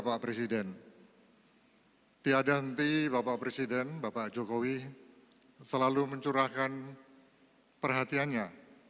bapak presiden tiada henti bapak presiden bapak jokowi selalu mencurahkan perhatiannya